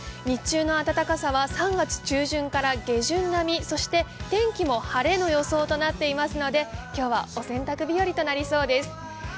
日中の暖かさは３月中旬から下旬並み、そして、天気も晴れの予想となっていますので、今日はお洗濯日和となりそうです。